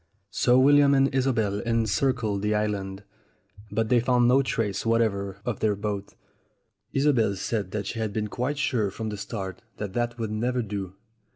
So William and Isobel encircled the island. But they found no trace whatever of their boat. Isobel said she had been quite sure from the start that that would never do.